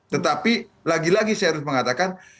tetapi lagi lagi saya harus mengatakan